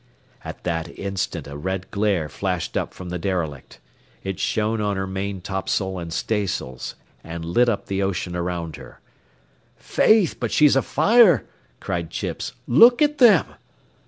At that instant a red glare flashed up from the derelict. It shone on her maintopsail and staysails and lit up the ocean around her. "Faith, but she's afire," cried Chips. "Look at them."